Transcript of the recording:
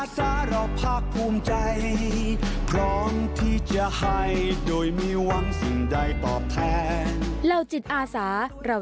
สวัสดีครับ